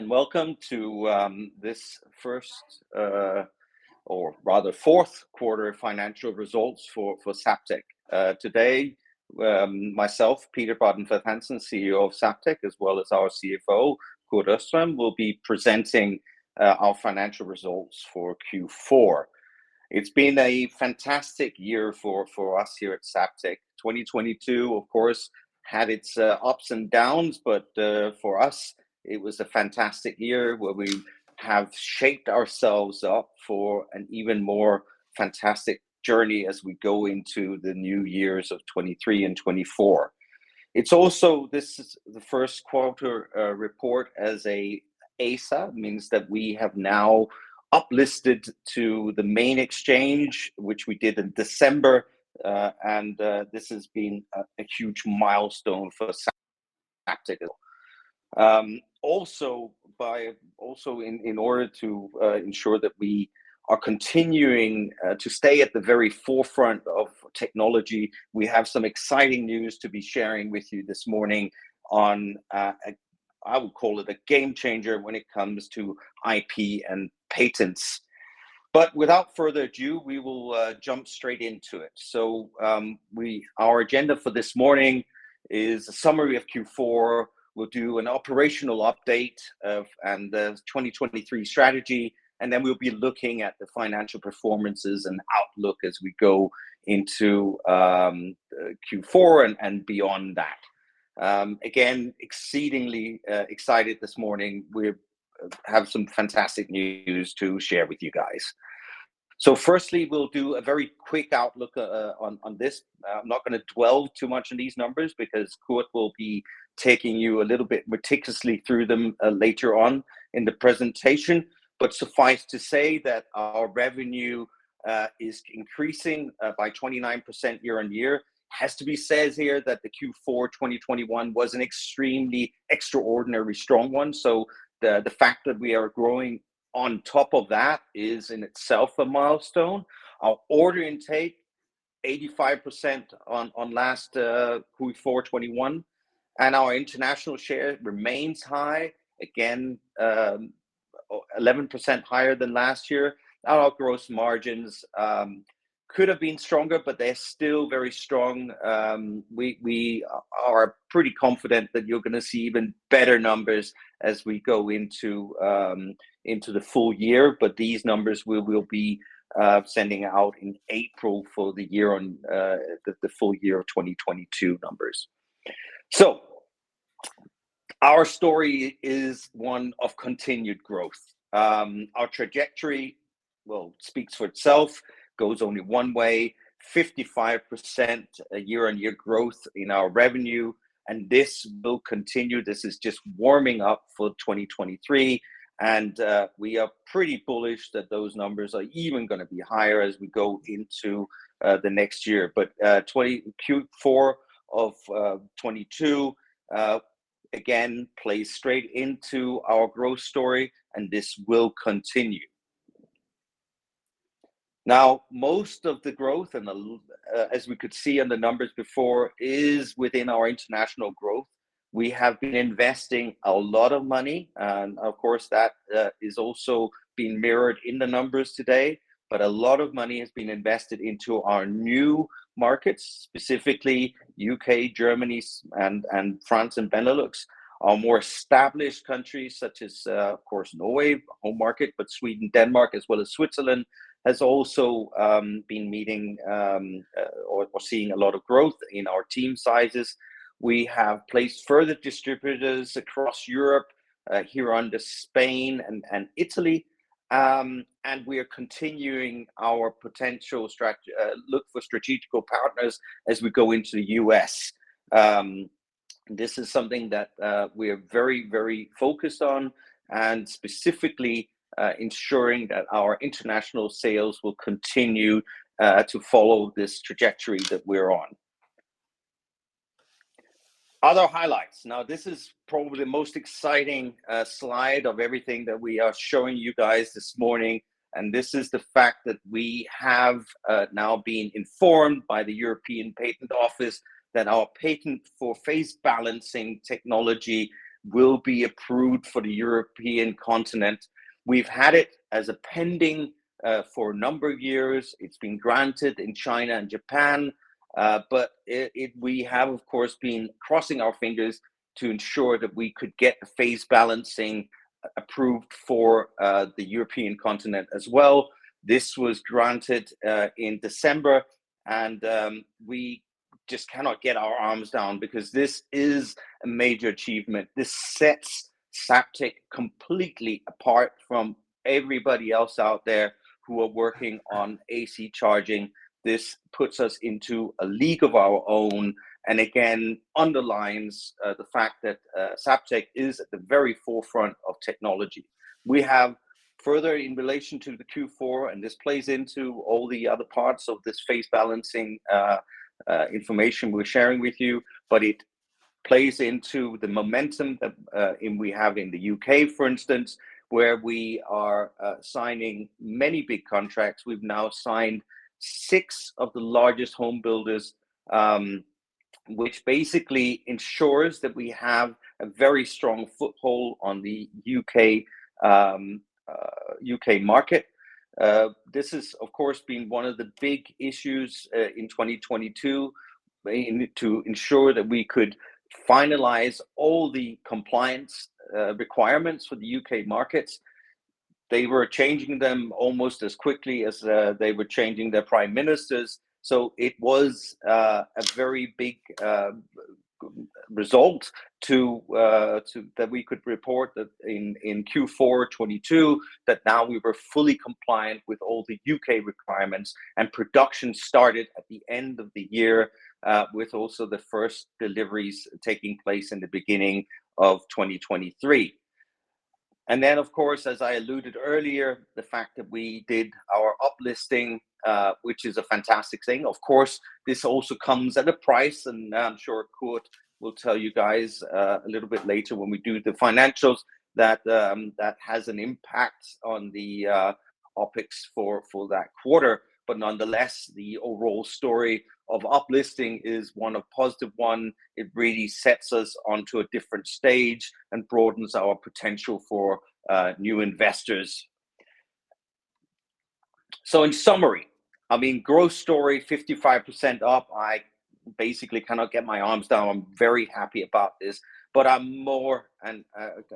Welcome to this first, or rather fourth quarter financial results for Zaptec. Today, myself, Peter Bardenfleth-Hansen, CEO of Zaptec, as well as our CFO, Kurt Østrem, will be presenting our financial results for Q4. It's been a fantastic year for us here at Zaptec. 2022, of course, had its ups and downs, but for us, it was a fantastic year where we have shaped ourselves up for an even more fantastic journey as we go into the new years of 2023 and 2024. It's also, this is the first quarter report as a ASA, means that we have now up-listed to the main exchange, which we did in December. This has been a huge milestone for Zaptec. In order to ensure that we are continuing to stay at the very forefront of technology, we have some exciting news to be sharing with you this morning on, I would call it a game changer when it comes to IP and patents. Without further ado, we will jump straight into it. Our agenda for this morning is a summary of Q4. We'll do an operational update and the 2023 strategy, and then we'll be looking at the financial performances and outlook as we go into Q4 and beyond that. Again, exceedingly excited this morning. We have some fantastic news to share with you guys. Firstly, we'll do a very quick outlook on this. I'm not gonna dwell too much on these numbers because Kurt will be taking you a little bit meticulously through them later on in the presentation. Suffice to say that our revenue is increasing by 29% year-on-year. Has to be says here that the Q4 2021 was an extremely extraordinary strong one, so the fact that we are growing on top of that is in itself a milestone. Our order intake, 85% on last Q4 2021, and our international share remains high, again, 11% higher than last year. Our gross margins could have been stronger, but they're still very strong. We are pretty confident that you're gonna see even better numbers as we go into the full year. These numbers we will be sending out in April for the year on the full year of 2022 numbers. Our story is one of continued growth. Our trajectory, well, speaks for itself, goes only one way. 55% year-on-year growth in our revenue, and this will continue. This is just warming up for 2023, and we are pretty bullish that those numbers are even gonna be higher as we go into the next year. Q4 of 2022 again, plays straight into our growth story, and this will continue. Most of the growth, as we could see in the numbers before, is within our international growth. We have been investing a lot of money, and of course, that is also being mirrored in the numbers today. A lot of money has been invested into our new markets, specifically U.K., Germany, and France and Benelux. Our more established countries such as, of course, Norway, home market, Sweden, Denmark, as well as Switzerland, has also been meeting or seeing a lot of growth in our team sizes. We have placed further distributors across Europe here under Spain and Italy. We are continuing our potential look for strategical partners as we go into the U.S. This is something that we are very focused on and specifically ensuring that our international sales will continue to follow this trajectory that we're on. Other highlights. This is probably the most exciting slide of everything that we are showing you guys this morning. This is the fact that we have now been informed by the European Patent Office that our patent for phase balancing technology will be approved for the European continent. We've had it as a pending for a number of years. It's been granted in China and Japan. We have, of course, been crossing our fingers to ensure that we could get the phase balancing approved for the European continent as well. This was granted in December. We just cannot get our arms down because this is a major achievement. This sets Zaptec completely apart from everybody else out there who are working on AC charging. This puts us into a league of our own and again underlines the fact that Zaptec is at the very forefront of technology. We have further in relation to the Q4, and this plays into all the other parts of this phase-balancing information we're sharing with you. It plays into the momentum that we have in the U.K., for instance, where we are signing many big contracts. We've now signed six of the largest home builders, which basically ensures that we have a very strong foothold on the U.K. market. This has of course been one of the big issues in 2022. We needed to ensure that we could finalize all the compliance requirements for the U.K. markets. They were changing them almost as quickly as they were changing their prime ministers. It was a very big result that we could report that in Q4 2022 that now we were fully compliant with all the U.K. requirements and production started at the end of the year, with also the first deliveries taking place in the beginning of 2023. Of course, as I alluded earlier, the fact that we did our up-listing, which is a fantastic thing. Of course, this also comes at a price, and I'm sure Kurt will tell you guys a little bit later when we do the financials that has an impact on the OpEx for that quarter. Nonetheless, the overall story of up-listing is a positive one. It really sets us onto a different stage and broadens our potential for new investors. In summary, I mean, growth story 55% up, I basically cannot get my arms down. I'm very happy about this, but I'm more, and,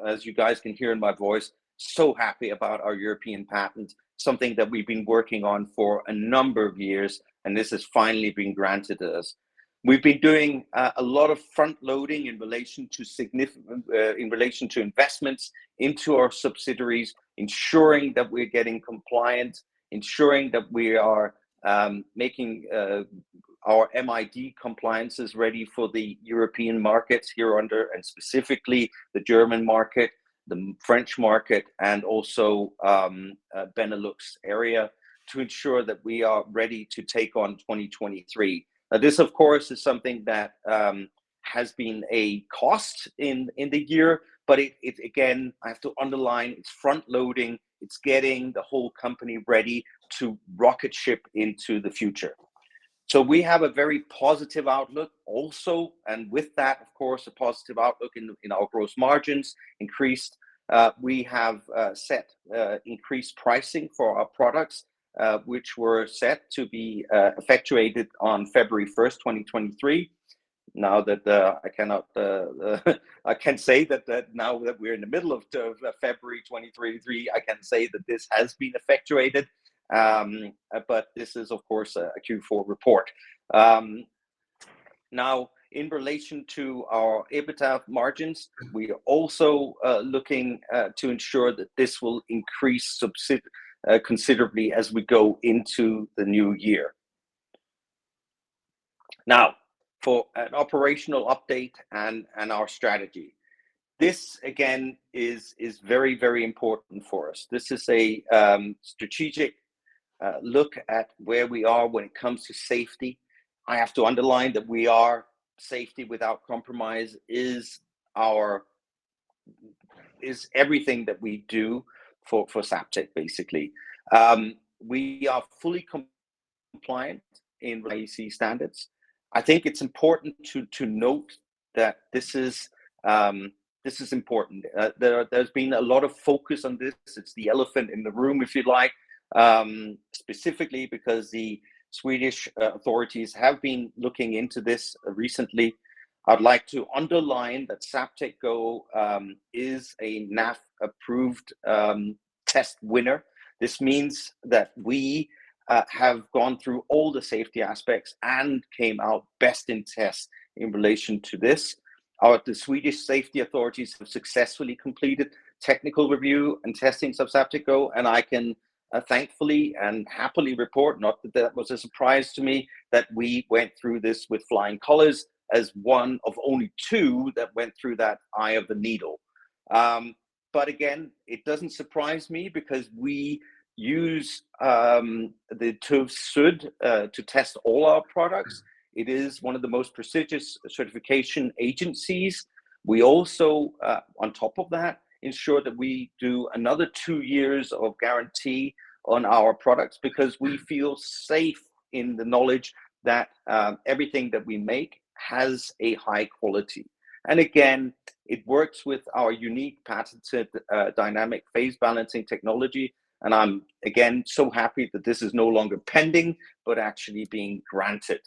as you guys can hear in my voice, so happy about our European Patent, something that we've been working on for a number of years, and this has finally been granted to us. We've been doing a lot of front-loading in relation to investments into our subsidiaries, ensuring that we're getting compliant, ensuring that we are making our MID compliances ready for the European markets hereunder, and specifically the German market, the French market, and also the Benelux area to ensure that we are ready to take on 2023. This, of course, is something that has been a cost in the year, but again, I have to underline it's front-loading. It's getting the whole company ready to rocket ship into the future. We have a very positive outlook also, and with that, of course, a positive outlook in our gross margins increased. We have set increased pricing for our products, which were set to be effectuated on February 1, 2023. That, I can say that now that we're in the middle of February 2023, I can say that this has been effectuated. This is of course a Q4 report. In relation to our EBITDA margins, we are also looking to ensure that this will increase considerably as we go into the new year. For an operational update and our strategy. This again is very important for us. This is a strategic look at where we are when it comes to safety. I have to underline that we are safety without compromise is everything that we do for Zaptec basically. We are fully compliant in IEC standards. I think it's important to note that this is important. There's been a lot of focus on this. It's the elephant in the room, if you like, specifically because the Swedish authorities have been looking into this recently. I'd like to underline that Zaptec Go is a NAF-approved test winner. This means that we have gone through all the safety aspects and came out best in test in relation to this. The Swedish safety authorities have successfully completed technical review and testing of Zaptec Go, I can thankfully and happily report, not that that was a surprise to me, that we went through this with flying colors as one of only two that went through that eye of the needle. Again, it doesn't surprise me because we use the TÜV SÜD to test all our products. It is one of the most prestigious certification agencies. We also, on top of that, ensure that we do another two years of guarantee on our products because we feel safe in the knowledge that everything that we make has a high quality. Again, it works with our unique patented dynamic phase balancing technology, and I am again so happy that this is no longer pending, but actually being granted.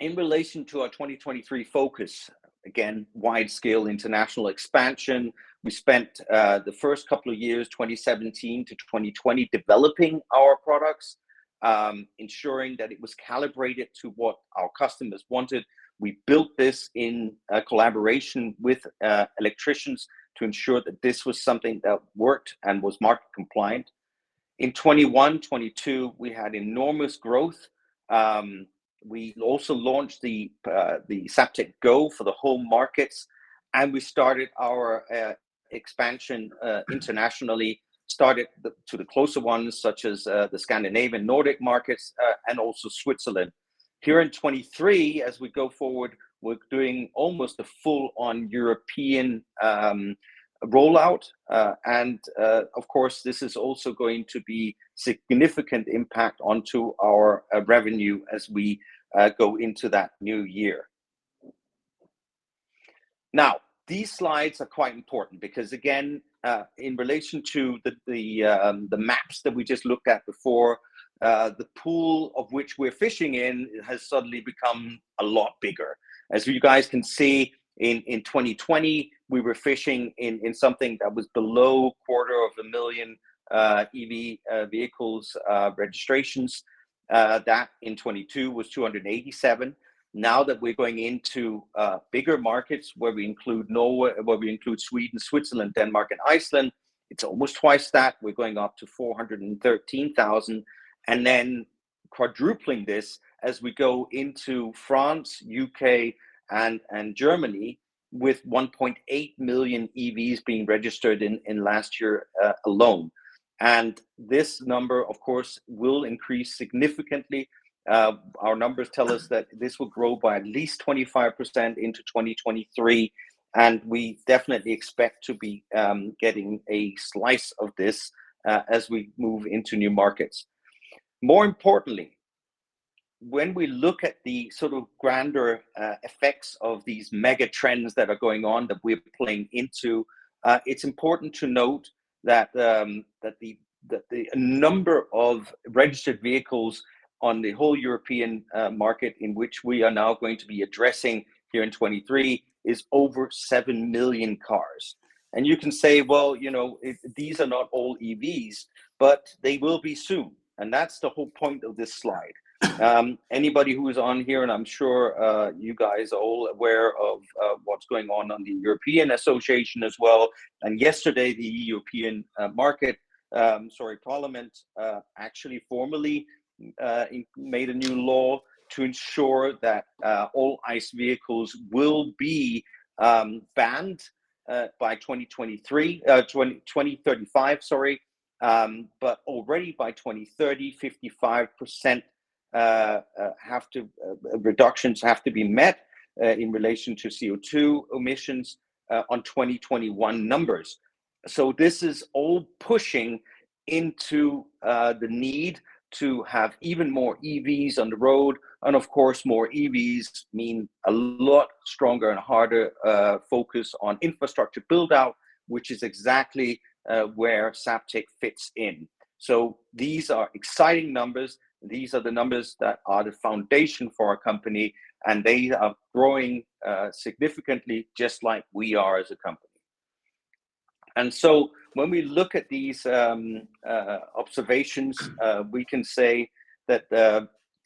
In relation to our 2023 focus, again, wide-scale international expansion. We spent the first couple of years, 2017-2020, developing our products, ensuring that it was calibrated to what our customers wanted. We built this in a collaboration with electricians to ensure that this was something that worked and was market compliant. In 2021, 2022, we had enormous growth. We also launched the Zaptec Go for the home markets, and we started our expansion internationally, started to the closer ones such as the Scandinavian Nordic markets, and also Switzerland. Here in 2023, as we go forward, we're doing almost a full-on European rollout. Of course, this is also going to be significant impact onto our revenue as we go into that new year. These slides are quite important because again, in relation to the maps that we just looked at before, the pool of which we're fishing in has suddenly become a lot bigger. As you guys can see in 2020, we were fishing in something that was below quarter of a million EV vehicles registrations. That in 2022 was 287. Now that we're going into bigger markets where we include Sweden, Switzerland, Denmark and Iceland, it's almost twice that. We're going up to 413,000 and then quadrupling this as we go into France, U.K. and Germany with 1.8 million EVs being registered in last year alone. This number of course will increase significantly. Our numbers tell us that this will grow by at least 25% into 2023, and we definitely expect to be getting a slice of this as we move into new markets. More importantly, when we look at the sort of grander effects of these mega trends that are going on that we're playing into, it's important to note that the number of registered vehicles on the whole European market in which we are now going to be addressing here in 2023 is over 7 million cars. You can say, well, you know, if these are not all EVs, but they will be soon. That's the whole point of this slide. here, and I'm sure you guys are all aware of what's going on on the European Association as well, and yesterday the European Parliament actually formally made a new law to ensure that all ICE vehicles will be banned by 2035, sorry. But already by 2030, 55% reductions have to be met in relation to CO2 emissions on 2021 numbers. So this is all pushing into the need to have even more EVs on the road and of course, more EVs mean a lot stronger and harder focus on infrastructure buildout, which is exactly where Zaptec fits in. So these are exciting numbers. These are the numbers that are the foundation for our company, and they are growing significantly just like we are as a company. When we look at these observations, we can say that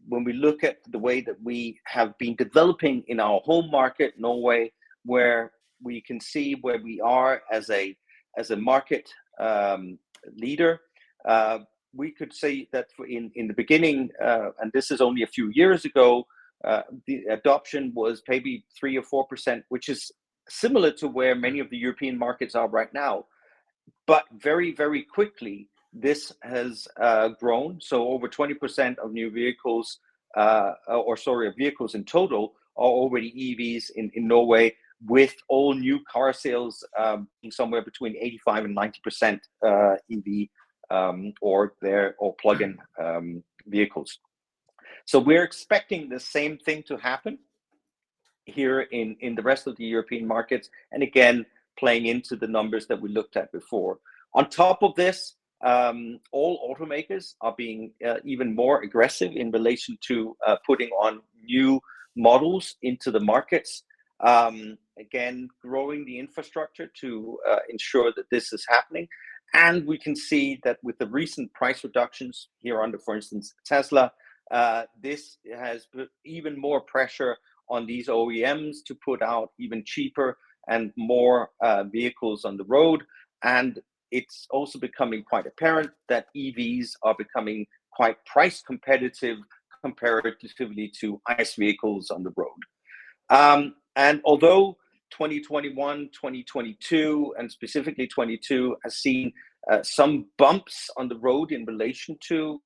when we look at the way that we have been developing in our home market, Norway, where we can see where we are as a market leader, we could say that in the beginning, and this is only a few years ago, the adoption was maybe 3% or 4%, which is similar to where many of the European markets are right now. Very, very quickly this has grown. Over 20% of new vehicles, or sorry, vehicles in total are already EVs in Norway with all new car sales, being somewhere between 85% and 90% EV, or they're all plug-in vehicles. We're expecting the same thing to happen here in the rest of the European markets. Again, playing into the numbers that we looked at before. On top of this, all automakers are being even more aggressive in relation to putting on new models into the markets. Again, growing the infrastructure to ensure that this is happening. We can see that with the recent price reductions here under, for instance, Tesla, this has put even more pressure on these OEMs to put out even cheaper and more vehicles on the road. It's also becoming quite apparent that EVs are becoming quite price competitive comparatively to ICE vehicles on the road. Although 2021, 2022 and specifically 2022 has seen some bumps on the road in relation to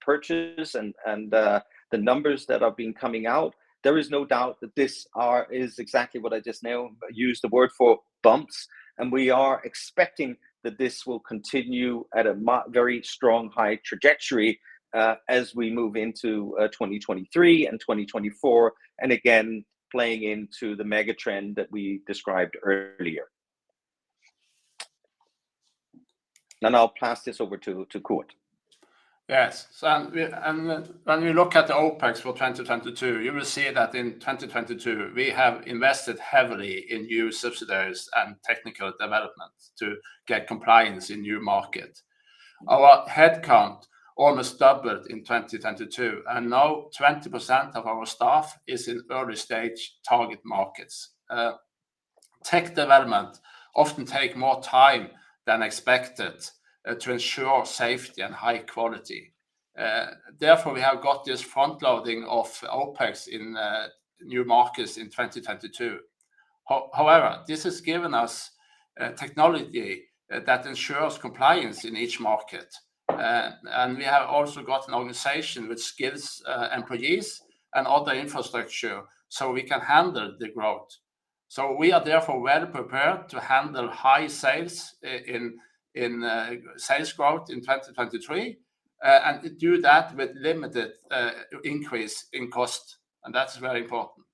purchase and the numbers that have been coming out, there is no doubt that this is exactly what I just now used the word for, bumps. We are expecting that this will continue at a very strong high trajectory as we move into 2023 and 2024. Again, playing into the mega trend that we described earlier. I'll pass this over to Kurt. Yes. When we look at the OpEx for 2022, you will see that in 2022 we have invested heavily in new subsidiaries and technical developments to get compliance in new markets. Our headcount almost doubled in 2022, and now 20% of our staff is in early stage target markets. Tech development often take more time than expected to ensure safety and high quality. Therefore, we have got this front loading of OpEx in new markets in 2022. However, this has given us technology that ensures compliance in each market. We have also got an organization which gives employees and all the infrastructure so we can handle the growth. We are therefore well prepared to handle high sales growth in 2023. To do that with limited increase in cost, and that's very important.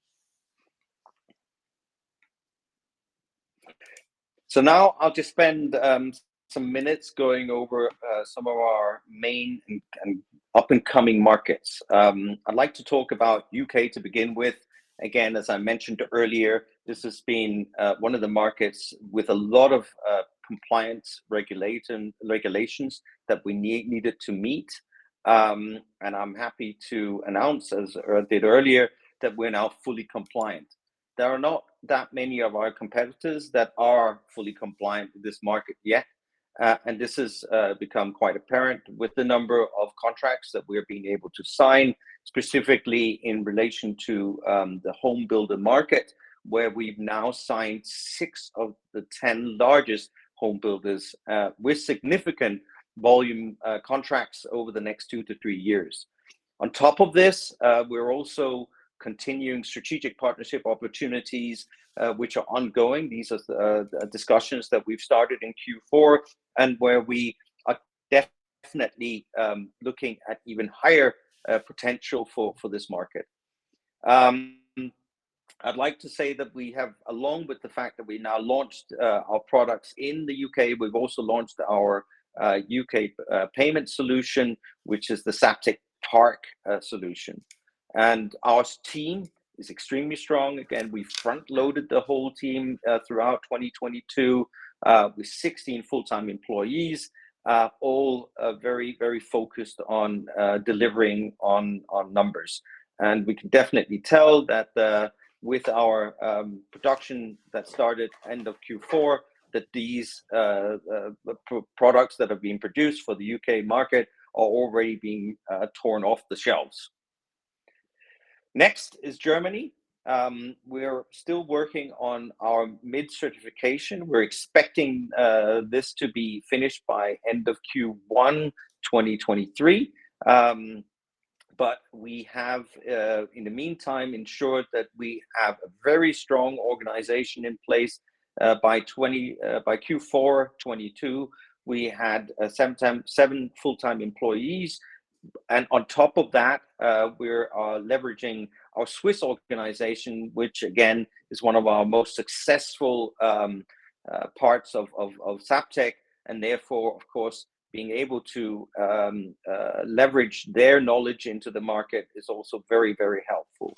Now I'll just spend some minutes going over some of our main and up-and-coming markets. I'd like to talk about U.K. to begin with. As I mentioned earlier, this has been one of the markets with a lot of compliance regulations that we needed to meet. I'm happy to announce, as I did earlier, that we're now fully compliant. There are not that many of our competitors that are fully compliant with this market yet. This has become quite apparent with the number of contracts that we're being able to sign, specifically in relation to the home builder market, where we've now signed 6 of the 10 largest home builders, with significant volume contracts over the next 2-3 years. On top of this, we're also continuing strategic partnership opportunities, which are ongoing. These are the discussions that we've started in Q4 and where we are definitely looking at even higher potential for this market. I'd like to say that we have, along with the fact that we now launched our products in the U.K., we've also launched our U.K. payment solution, which is the Zaptec Park solution. Our team is extremely strong. Again, we front-loaded the whole team throughout 2022, with 16 full-time employees, all very, very focused on delivering on numbers. We can definitely tell that with our production that started end of Q4, that these products that have been produced for the U.K. market are already being torn off the shelves. Next is Germany. We're still working on our MID certification. We're expecting this to be finished by end of Q1 2023. We have in the meantime, ensured that we have a very strong organization in place by Q4 2022. We had seven full-time employees. On top of that, we are leveraging our Swiss organization, which again is one of our most successful parts of Zaptec. Therefore of course, being able to leverage their knowledge into the market is also very, very helpful.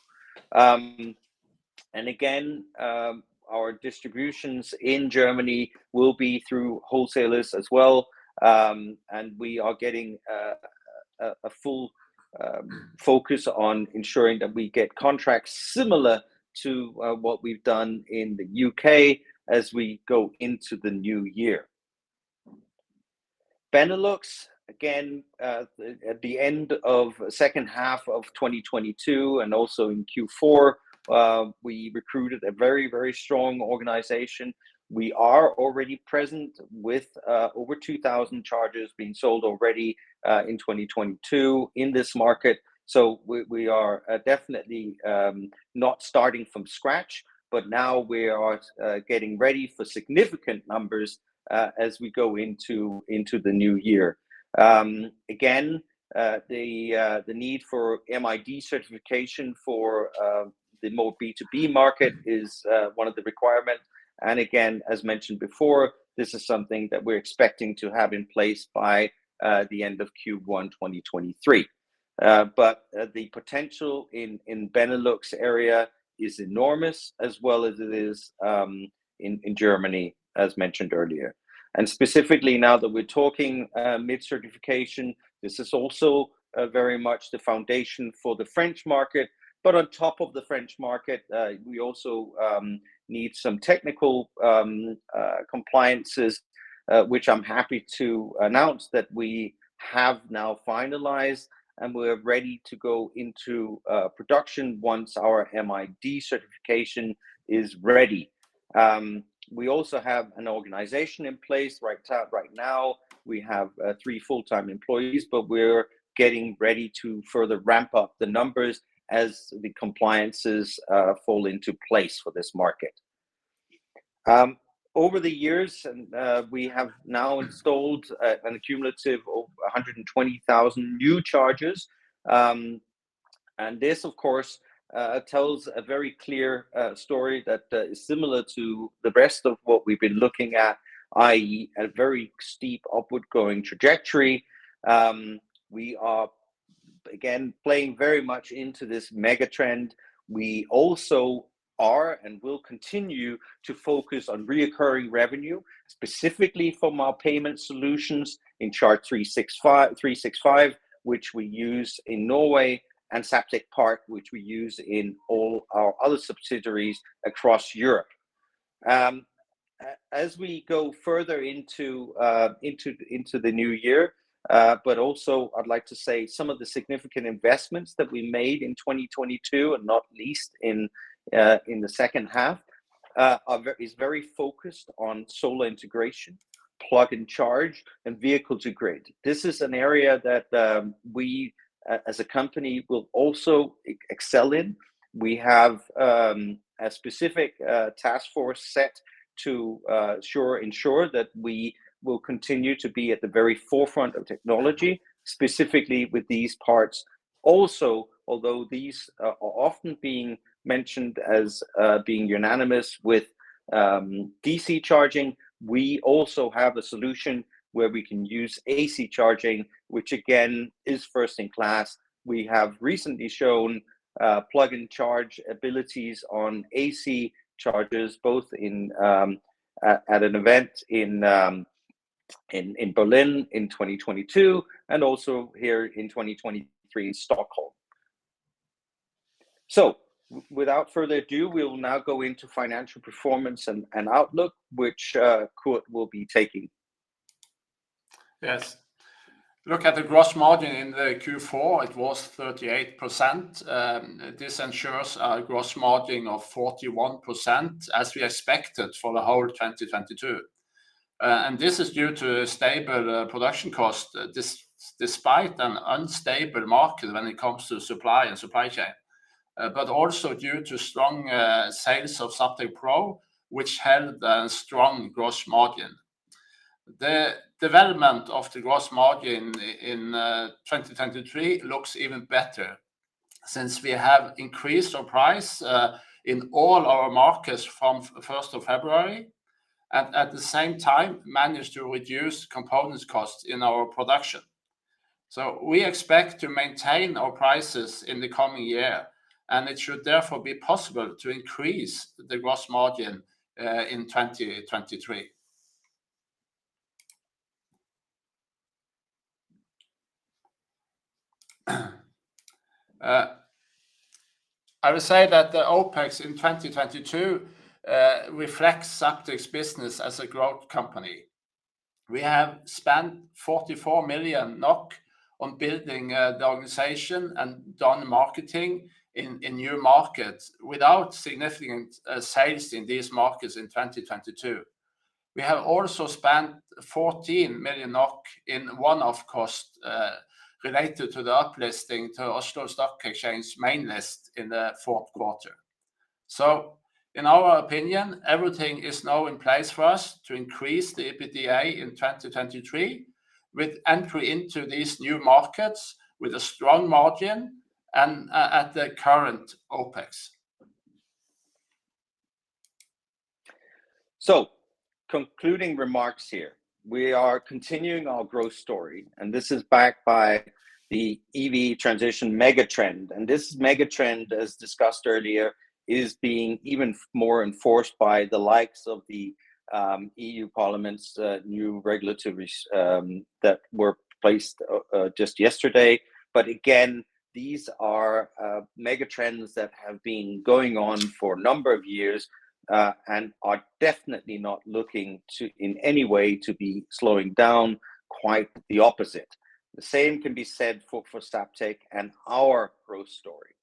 Again, our distributions in Germany will be through wholesalers as well. We are getting a full focus on ensuring that we get contracts similar to what we've done in the U.K. as we go into the new year. Benelux, again, at the end of second half of 2022 and also in Q4, we recruited a very, very strong organization. We are already present with over 2,000 chargers being sold already in 2022 in this market, so we are definitely not starting from scratch, but now we are getting ready for significant numbers as we go into the new year. Again, the need for MID certification for the more B2B market is one of the requirements. Again, as mentioned before, this is something that we're expecting to have in place by the end of Q1, 2023. The potential in Benelux area is enormous, as well as it is in Germany, as mentioned earlier. Specifically now that we're talking MID certification, this is also very much the foundation for the French market. On top of the French market, we also need some technical compliances, which I'm happy to announce that we have now finalized, and we're ready to go into production once our MID certification is ready. We also have an organization in place right now. We have three full-time employees, but we're getting ready to further ramp up the numbers as the compliances fall into place for this market. Over the years, we have now installed a cumulative of 120,000 new chargers. This of course tells a very clear story that is similar to the rest of what we've been looking at, i.e., a very steep upward going trajectory. We are again, playing very much into this mega trend. We also are and will continue to focus on recurring revenue, specifically from our payment solutions in Charge 365, which we use in Norway, and Zaptec Park, which we use in all our other subsidiaries across Europe. As we go further into the new year, Also I'd like to say some of the significant investments that we made in 2022 and not least in the second half, is very focused on solar integration, Plug & Charge, and vehicle-to-grid. This is an area that we as a company will also excel in. We have a specific task force set to ensure that we will continue to be at the very forefront of technology, specifically with these parts-Also, although these are often being mentioned as being unanimous with DC charging, we also have a solution where we can use AC charging, which again, is first in class. We have recently shown Plug & Charge abilities on AC chargers, both in at an event in Berlin in 2022 and also here in 2023 in Stockholm. Without further ado, we will now go into financial performance and outlook, which Kurt will be taking. Yes. Look at the gross margin in the Q4, it was 38%. This ensures a gross margin of 41% as we expected for the whole 2022. This is due to stable production cost despite an unstable market when it comes to supply and supply chain. Also due to strong sales of Zaptec Pro, which held a strong gross margin. The development of the gross margin in 2023 looks even better since we have increased our price in all our markets from 1st of February, and at the same time managed to reduce components costs in our production. We expect to maintain our prices in the coming year, and it should therefore be possible to increase the gross margin in 2023. I will say that the OpEx in 2022 reflects Zaptec's business as a growth company. We have spent 44 million NOK on building the organization and done marketing in new markets without significant sales in these markets in 2022. We have also spent 14 million NOK in one-off cost related to the uplisting to Oslo Stock Exchange main list in the fourth quarter. In our opinion, everything is now in place for us to increase the EBITDA in 2023 with entry into these new markets with a strong margin and at the current OpEx. Concluding remarks here. We are continuing our growth story, and this is backed by the EV transition mega-trend. This mega-trend, as discussed earlier, is being even more enforced by the likes of the European Parliament's new regulatory that were placed just yesterday. Again, these are mega-trends that have been going on for a number of years and are definitely not looking to, in any way, to be slowing down. Quite the opposite. The same can be said for Zaptec and our growth story.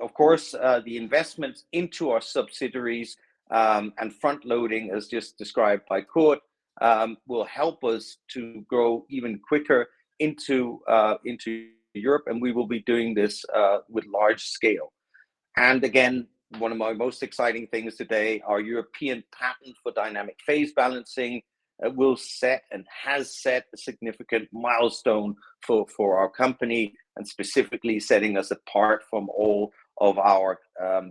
Of course, the investments into our subsidiaries and front-loading, as just described by Kurt, will help us to grow even quicker into Europe, and we will be doing this with large scale. Again, one of my most exciting things today, our European patent for dynamic phase balancing will set and has set a significant milestone for our company and specifically setting us apart from all of our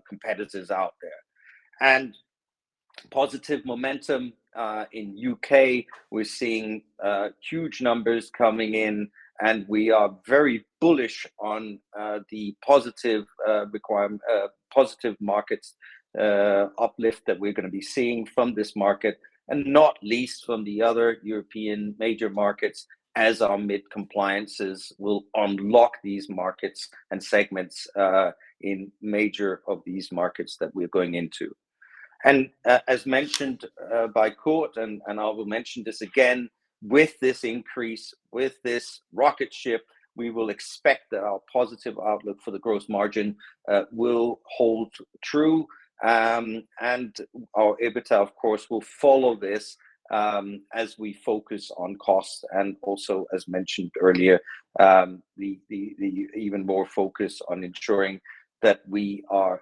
competitors out there. Positive momentum in U.K., we're seeing huge numbers coming in, and we are very bullish on the positive markets uplift that we're gonna be seeing from this market and not least from the other European major markets as our MID compliances will unlock these markets and segments in major of these markets that we're going into. As mentioned by Kurt, and I will mention this again, with this increase, with this rocket ship, we will expect that our positive outlook for the growth margin will hold true. And our EBITDA, of course, will follow this, as we focus on costs and also, as mentioned earlier, the even more focus on ensuring that we are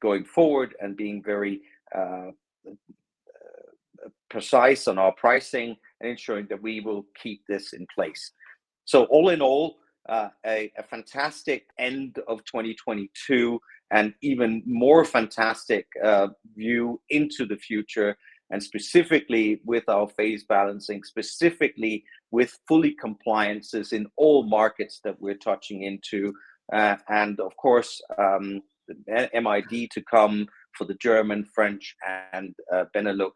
going forward and being very precise on our pricing and ensuring that we will keep this in place. All in all, a fantastic end of 2022 and even more fantastic view into the future and specifically with our phase balancing, specifically with fully compliances in all markets that we're touching into. And of course, MID to come for the German, French and Benelux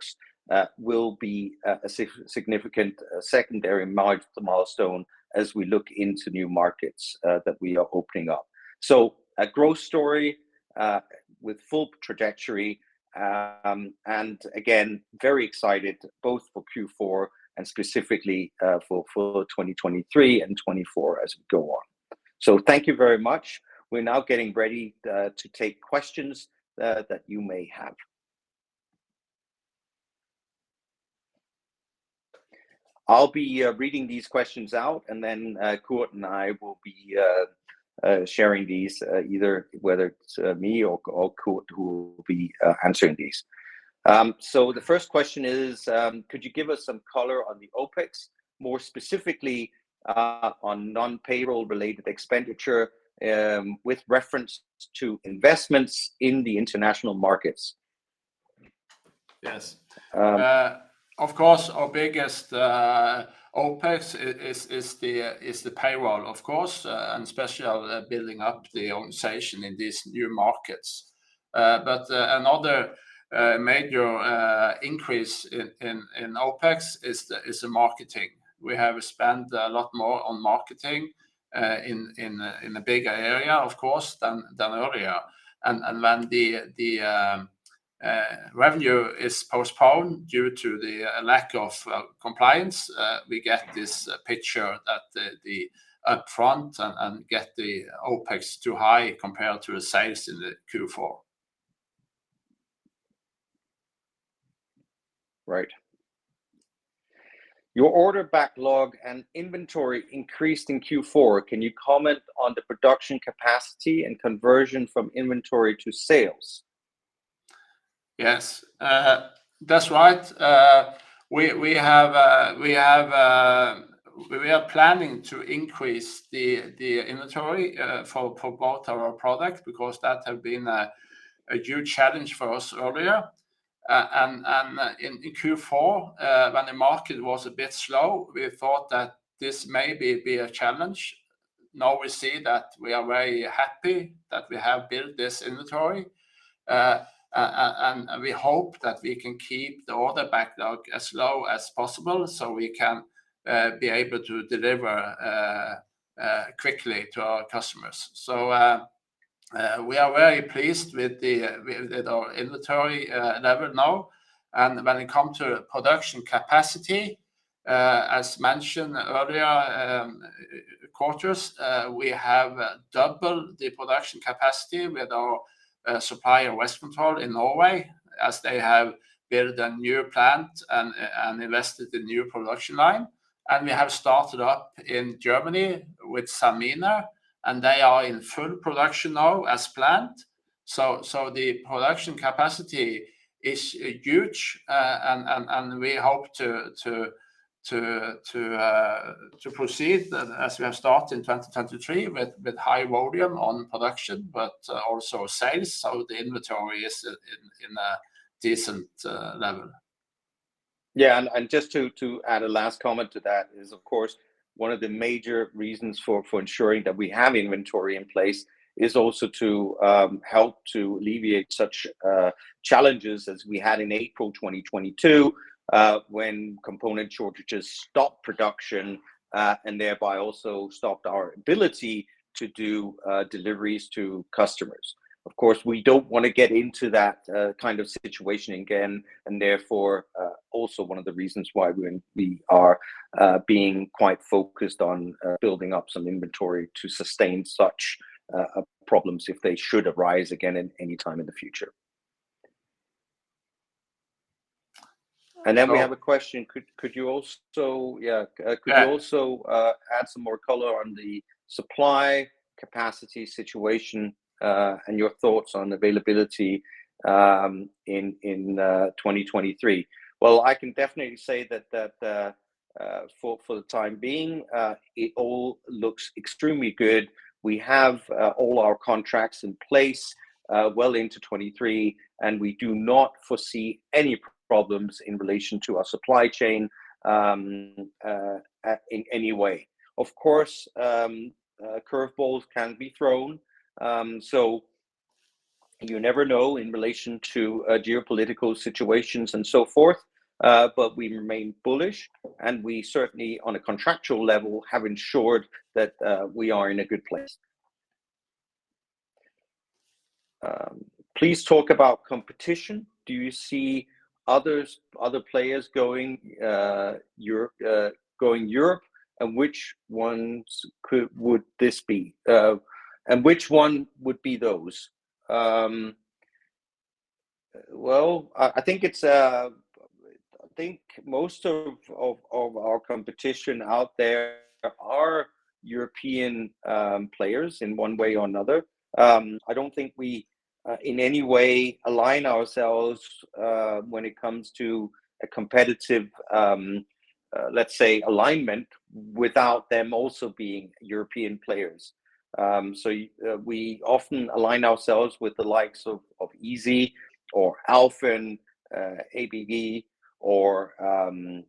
will be a significant secondary milestone as we look into new markets that we are opening up. A growth story with full trajectory. Again, very excited both for Q4 and specifically for 2023 and 2024 as we go on. Thank you very much. We're now getting ready to take questions that you may have. I'll be reading these questions out and then Kurt and I will be sharing these either whether it's me or Kurt who will be answering these. The first question is, could you give us some color on the OPEX, more specifically on non-payroll related expenditure, with reference to investments in the international markets? Yes. Um. Of course, our biggest OPEX is the payroll, of course, and especially building up the organization in these new markets. Another major increase in OPEX is the marketing. We have spent a lot more on marketing in a bigger area, of course, than earlier. When the revenue is postponed due to the lack of compliance, we get this picture that the upfront and get the OPEX too high compared to the sales in the Q4. Your order backlog and inventory increased in Q4. Can you comment on the production capacity and conversion from inventory to sales? Yes. That's right. We are planning to increase the inventory for both of our products, because that had been a huge challenge for us earlier. In Q4, when the market was a bit slow, we thought that this may be a challenge. Now we see that we are very happy that we have built this inventory, and we hope that we can keep the order backlog as low as possible so we can be able to deliver quickly to our customers. We are very pleased with our inventory level now. When it come to production capacity, as mentioned earlier, quarters, we have doubled the production capacity with our supplier Westcontrol in Norway, as they have built a new plant and invested in new production line. We have started up in Germany with Sanmina, and they are in full production now as planned. So the production capacity is huge. We hope to proceed as we have started in 2023 with high volume on production, but also sales, so the inventory is in a decent level. Yeah. Just to add a last comment to that is, of course, one of the major reasons for ensuring that we have inventory in place is also to help to alleviate such challenges as we had in April 2022, when component shortages stopped production, and thereby also stoppeour ability to do deliveries to customers. Of course, we don't wanna get into that kind of situation again, and therefore, also one of the reasons why we are being quite focused on building up some inventory to sustain such problems if they should arise again in any time in the future. So. We have a question. Could you also. Yeah. Could you also add some more color on the supply capacity situation and your thoughts on availability in 2023? Well, I can definitely say that for the time being, it all looks extremely good. We have all our contracts in place well into 23, and we do not foresee any problems in relation to our supply chain in any way. Of course, curve balls can be thrown, so you never know in relation to geopolitical situations and so forth. But we remain bullish, and we certainly, on a contractual level, have ensured that we are in a good place. Please talk about competition. Do you see others, other players going Europe, and which ones could would this be? Which one would be those? Well, I think most of our competition out there are European players in one way or another. I don't think we in any way align ourselves when it comes to a competitive let's say alignment without them also being European players. We often align ourselves with the likes of Easee or Alfen, ABB, or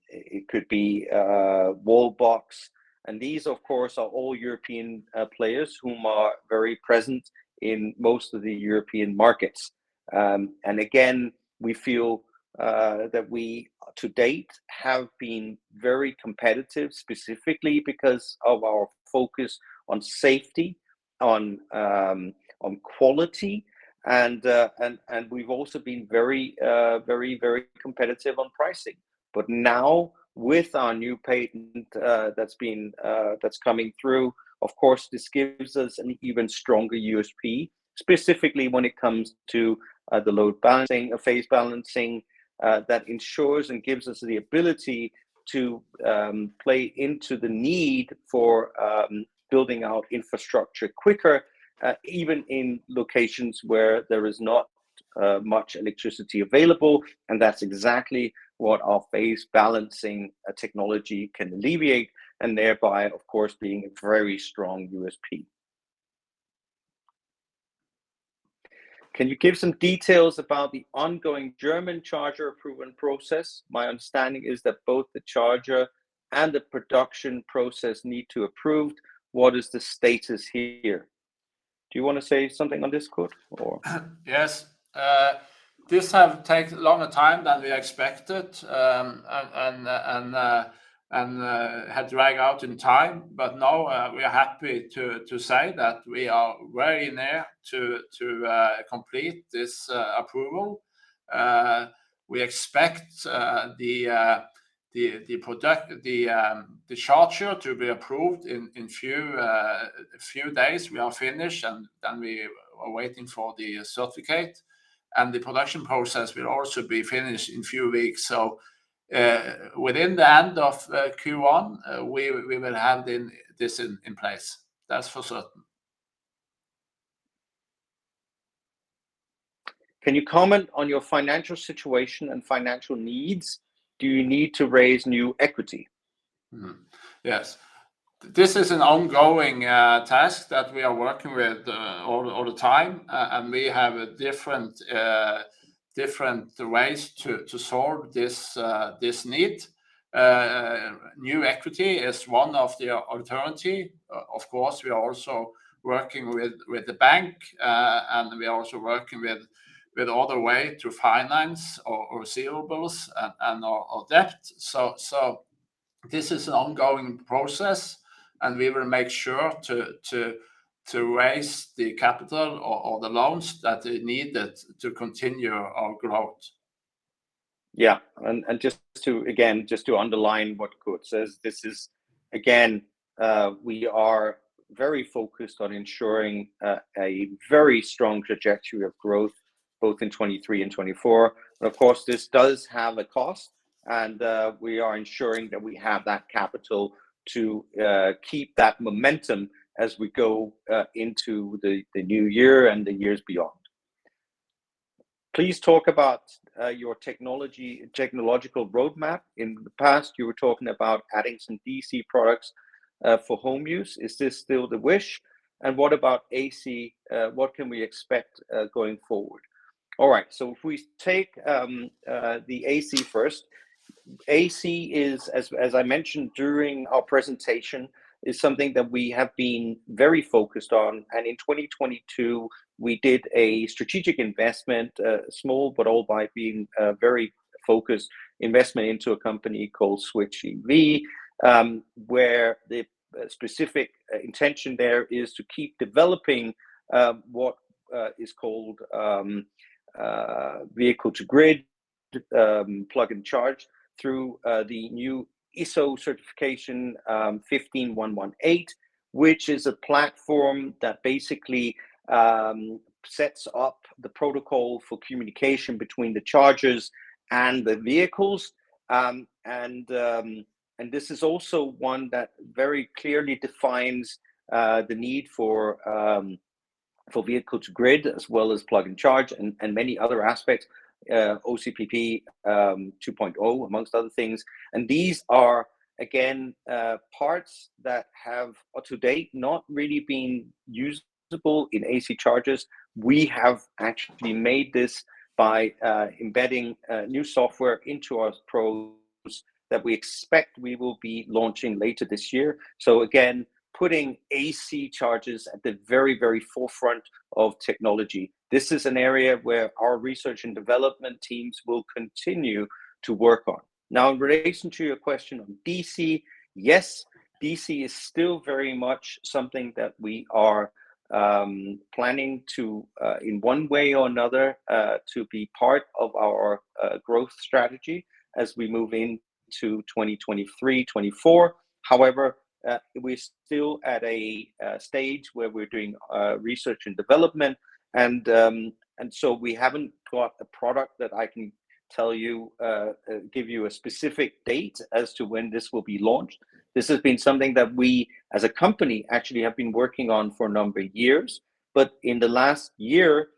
it could be Wallbox. These, of course, are all European players whom are very present in most of the European markets. Again, we feel that we, to date, have been very competitive, specifically because of our focus on safety, on quality, and we've also been very competitive on pricing. Now with our new patent that's coming through, of course, this gives us an even stronger USP, specifically when it comes to the load balancing, phase balancing, that ensures and gives us the ability to play into the need for building out infrastructure quicker, even in locations where there is not much electricity available. That's exactly what our phase balancing technology can alleviate and thereby, of course, being a very strong USP. Can you give some details about the ongoing German charger approval process? My understanding is that both the charger and the production process need to approve. What is the status here? Do you wanna say something on this, Kurt? Yes. This have taken longer time than we expected, and had dragged out in time. Now, we are happy to say that we are very near to complete this approval. We expect the charger to be approved in few days we are finished, and then we are waiting for the certificate. The production process will also be finished in few weeks. Within the end of Q1, we will have then this in place. That's for certain. Can you comment on your financial situation and financial needs? Do you need to raise new equity? Yes. This is an ongoing task that we are working with all the time. We have different ways to solve this need. New equity is one of the alternative. Of course, we are also working with the bank. We are also working with other way to finance or receivables and or debt. This is an ongoing process. We will make sure to raise the capital or the loans that are needed to continue our growth. Yeah. Just to underline what Kurt says, this is, again, we are very focused on ensuring a very strong trajectory of growth both in 2023 and 2024. Of course, this does have a cost, and we are ensuring that we have that capital to keep that momentum as we go into the new year and the years beyond. Please talk about your technology and technological roadmap. In the past, you were talking about adding some DC products for home use. Is this still the wish? What about AC, what can we expect going forward? All right, if we take the AC first. AC is as I mentioned during our presentation, is something that we have been very focused on. In 2022 we did a strategic investment, small but all by being very focused investment into a company called Switch EV, where the specific intention there is to keep developing what is called vehicle-to-grid, Plug & Charge through the new ISO certification 15118, which is a platform that basically sets up the protocol for communication between the chargers and the vehicles. This is also one that very clearly defines the need for vehicle-to-grid as well as Plug & Charge and many other aspects, OCPP 2.0, amongst other things. These are again parts that have to date not really been usable in AC chargers. We have actually made this by embedding new software into our probes that we expect we will be launching later this year. Again, putting AC chargers at the very, very forefront of technology. This is an area where our research and development teams will continue to work on. In relation to your question on DC, yes, DC is still very much something that we are planning to in one way or another to be part of our growth strategy as we move into 2023, 2024. However, we're still at a stage where we're doing research and development, and so we haven't got a product that I can give you a specific date as to when this will be launched. This has been something that we as a company actually have been working on for a number of years. In the last year,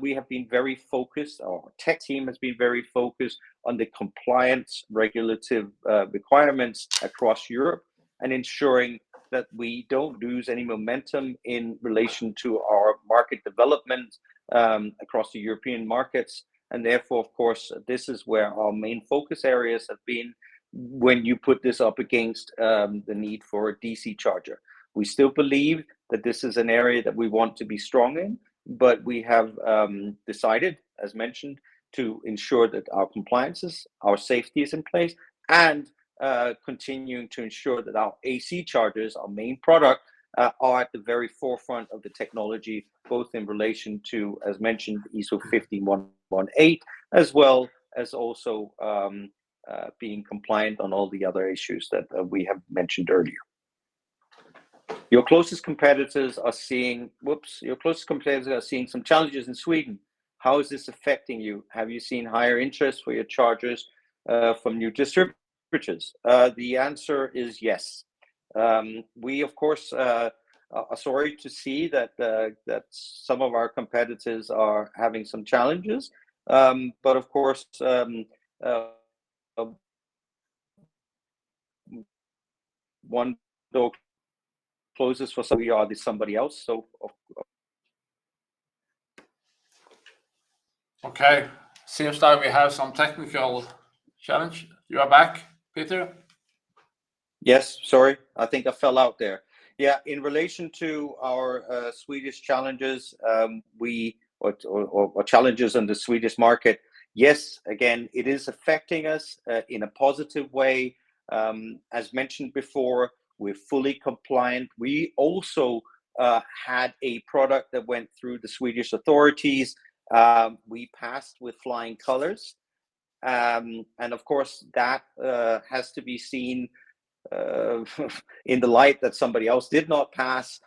we have been very focused, our tech team has been very focused on the compliance regulative requirements across Europe and ensuring that we don't lose any momentum in relation to our market development across the European markets. Therefore, of course, this is where our main focus areas have been when you put this up against the need for a DC charger. We still believe that this is an area that we want to be strong in, but we have decided, as mentioned, to ensure that our compliance is, our safety is in place, and continuing to ensure that our AC chargers, our main product, are at the very forefront of the technology, both in relation to, as mentioned, ISO 15118, as well as also being compliant on all the other issues that we have mentioned earlier. Your closest competitors are seeing some challenges in Sweden. How is this affecting you? Have you seen higher interest for your chargers from new distributors? The answer is yes. We of course are sorry to see that some of our competitors are having some challenges. Of course, One door closes for somebody, or there's somebody else. Of Okay. Seems like we have some technical challenge. You are back, Peter? Yes. Sorry, I think I fell out there. Yeah, in relation to our Swedish challenges on the Swedish market, yes, again, it is affecting us in a positive way. As mentioned before, we're fully compliant. We also had a product that went through the Swedish authorities. We passed with flying colors. Of course that has to be seen in the light that somebody else did not pass.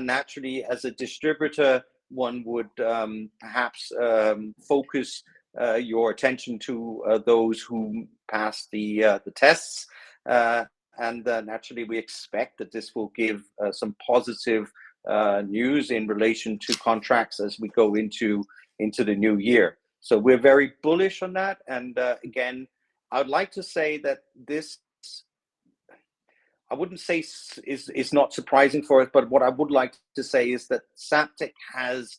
Naturally, as a distributor, one would perhaps focus your attention to those who passed the tests. Naturally we expect that this will give some positive news in relation to contracts as we go into the new year. We're very bullish on that. Again, I would like to say that this. I wouldn't say it's not surprising for us. What I would like to say is that Zaptec has,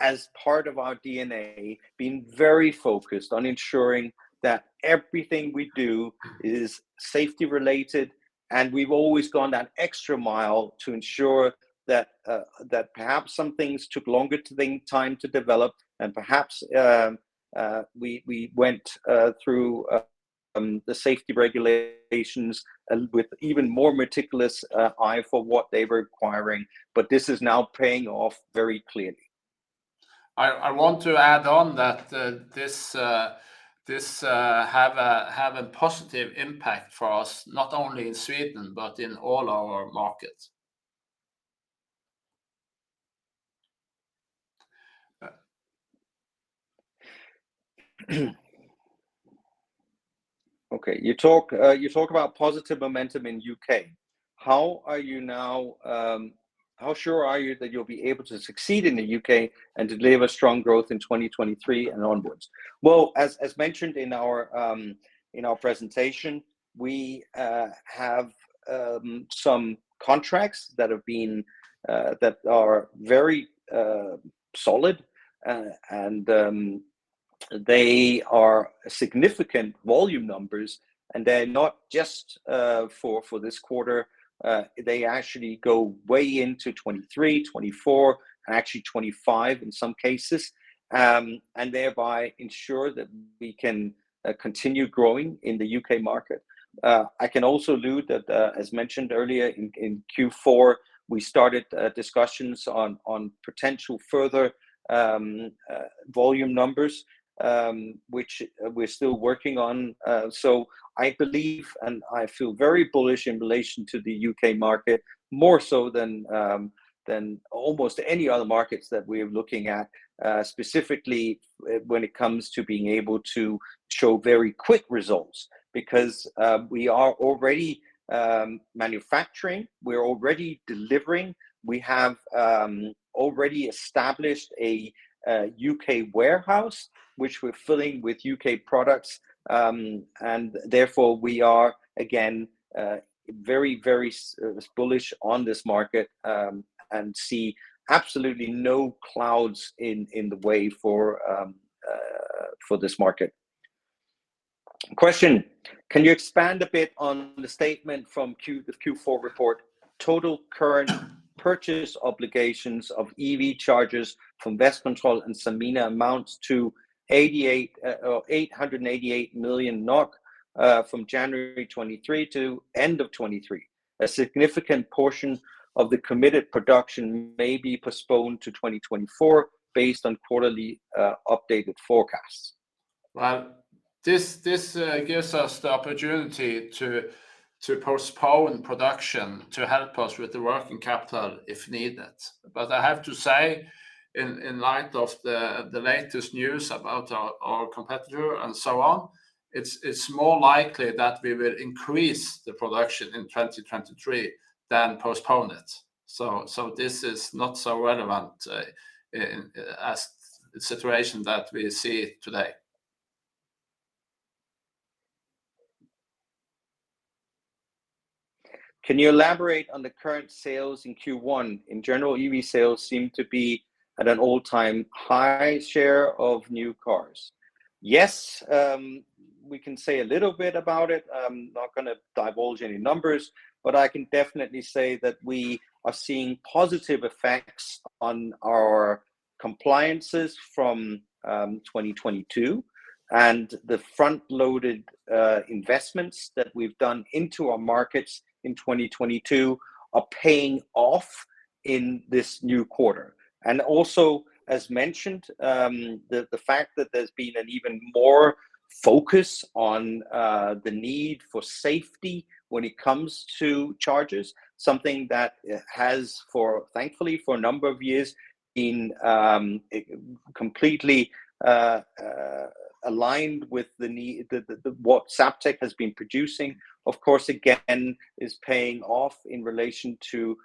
as part of our DNA, been very focused on ensuring that everything we do is safety related, and we've always gone that extra mile to ensure that perhaps some things took longer time to develop and perhaps we went through the safety regulations with even more meticulous eye for what they were requiring. This is now paying off very clearly. I want to add on that, this have a positive impact for us, not only in Sweden, but in all our markets. Okay. You talk about positive momentum in U.K. How are you now, how sure are you that you'll be able to succeed in the U.K. and deliver strong growth in 2023 and onwards? As mentioned in our presentation, we have some contracts that have been that are very solid. They are significant volume numbers, and they're not just for this quarter. They actually go way into 2023, 2024, and actually 2025 in some cases, and thereby ensure that we can continue growing in the U.K. market. I can also allude that, as mentioned earlier, in Q4, we started discussions on potential further volume numbers, which we're still working on. I believe, and I feel very bullish in relation to the U.K. market, more so than almost any other markets that we are looking at, specifically when it comes to being able to show very quick results because we are already manufacturing, we're already delivering, we have already established a U.K. warehouse, which we're filling with U.K. products. Therefore we are again very, very bullish on this market, and see absolutely no clouds in the way for this market. Question. Can you expand a bit on the statement from the Q4 report, total current purchase obligations of EV chargers from Westcontrol and Sanmina amounts to 88, or 888 million NOK, from January 2023 to end of 2023. A significant portion of the committed production may be postponed to 2024 based on quarterly updated forecasts. Well, this gives us the opportunity to postpone production to help us with the working capital if needed. I have to say in light of the latest news about our competitor and so on, it's more likely that we will increase the production in 2023 than postpone it. This is not so relevant as the situation that we see today. Can you elaborate on the current sales in Q1? In general, EV sales seem to be at an all-time high share of new cars. Yes, we can say a little bit about it. I'm not gonna divulge any numbers, but I can definitely say that we are seeing positive effects on our compliances from 2022 and the front-loaded investments that we've done into our markets in 2022 are paying off in this new quarter. As mentioned, the fact that there's been an even more focus on the need for safety when it comes to chargers, something that has for, thankfully, for a number of years been completely aligned with the need, what Zaptec has been producing, of course, again is paying off in relation to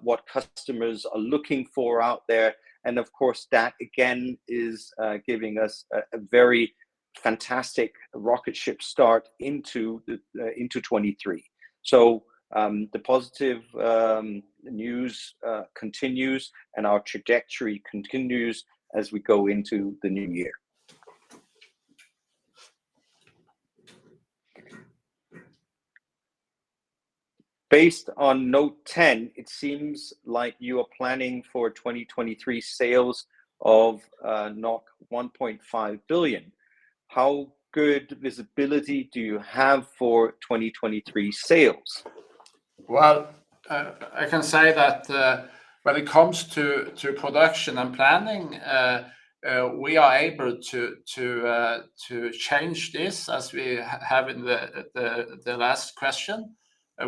what customers are looking for out there. Of course that, again, is giving us a very-Fantastic rocket ship start into 2023. The positive news continues and our trajectory continues as we go into the new year. Based on note 10, it seems like you are planning for 2023 sales of 1.5 billion. How good visibility do you have for 2023 sales? Well, I can say that when it comes to production and planning, we are able to change this as we have in the last question.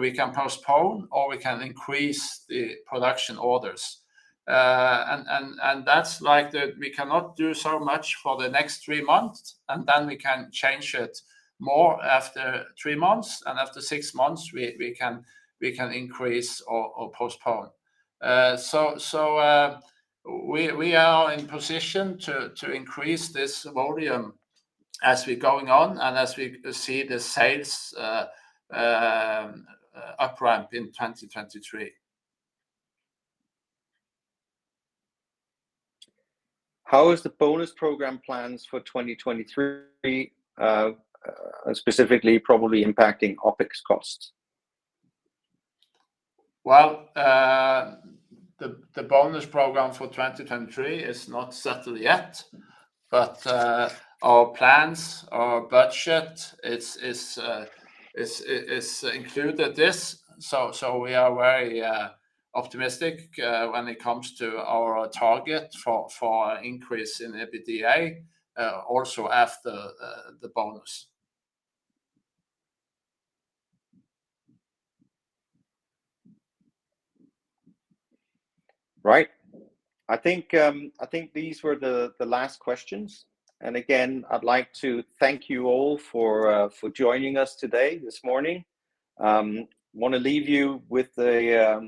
We can postpone or we can increase the production orders. That's like the, we cannot do so much for the next three months, and then we can change it more after three months, and after six months, we can increase or postpone. We are in position to increase this volume as we're going on and as we see the sales up ramp in 2023. How is the bonus program plans for 2023, specifically probably impacting OpEx costs? The bonus program for 2023 is not settled yet. Our plans, our budget, it's included this. We are very optimistic when it comes to our target for increase in EBITDA also after the bonus. Right. I think these were the last questions. Again, I'd like to thank you all for joining us today, this morning. Wanna leave you with the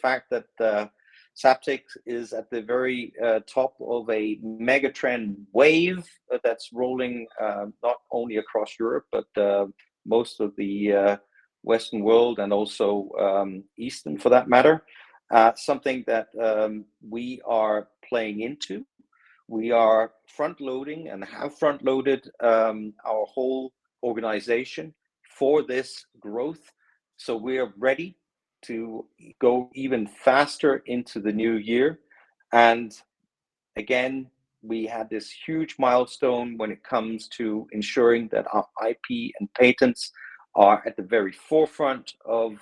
fact that Zaptec is at the very top of a mega trend wave that's rolling not only across Europe, but most of the Western world and also Eastern for that matter. Something that we are playing into. We are front-loading and have front-loaded our whole organization for this growth, so we're ready to go even faster into the new year. Again, we had this huge milestone when it comes to ensuring that our IP and patents are at the very forefront of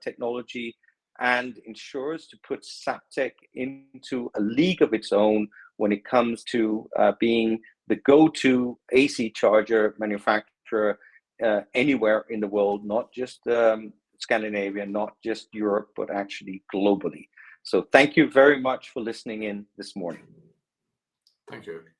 technology, and ensures to put Zaptec into a league of its own when it comes to being the go-to AC charger manufacturer anywhere in the world, not just Scandinavia, not just Europe, but actually globally. Thank you very much for listening in this morning. Thank you.